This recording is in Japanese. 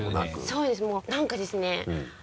そうですもう何かですね